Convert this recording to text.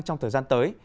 trong thời gian tới